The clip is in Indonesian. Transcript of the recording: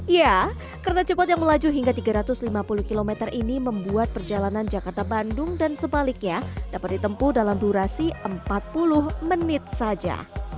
ya kereta cepat yang melaju hingga tiga ratus lima puluh km ini membuat perjalanan jakarta bandung dan sebaliknya dapat ditempuh dalam durasi empat puluh menit saja